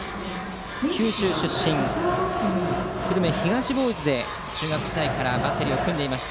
九州出身で、久留米東ボーイズで中学時代からバッテリーを組んでいました。